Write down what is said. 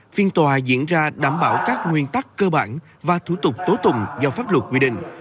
phiên tòa diễn ra đảm bảo các nguyên tắc cơ bản và thủ tục tố tùng do pháp luật quy định